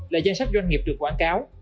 là danh sách doanh nghiệp được quảng cáo